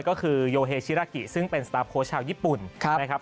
ก็คือโยเฮชิรากิซึ่งเป็นสตาร์ฟโค้ชชาวญี่ปุ่นนะครับ